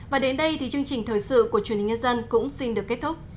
và đến đây thì chương trình thời sự của truyền hình nhân dân cũng xin được kết thúc